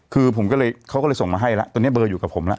คือผมก็เลยเขาก็เลยส่งมาให้แล้วตอนนี้เบอร์อยู่กับผมแล้ว